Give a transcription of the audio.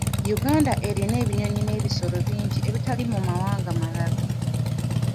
Uganda erina ebinyonyi n'ebisolo bingi ebitali mu mawanga malala.